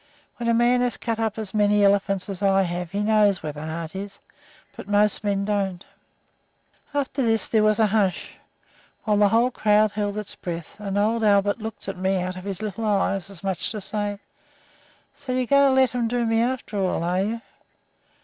When a man has cut up as many elephants as I have he knows where the heart is. But most men don't. "After this there was a hush, while the whole crowd held its breath, and old Albert looked at me out of his little eyes as much as to say, 'So you're going to let 'em do me after all, are you?'